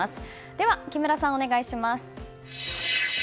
では木村さん、お願いします。